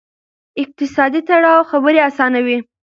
اقتصادي تړاو خبرې آسانوي.